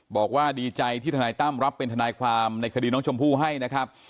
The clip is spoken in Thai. บอกว่าดีใจที่ทนายตั้มรับเป็นทนายความในคดีน้องชมพู่ให้นะครับ